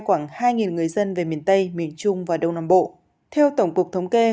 khoảng hai người dân về miền tây miền trung và đông nam bộ theo tổng cục thống kê